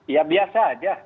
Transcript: ya biasa saja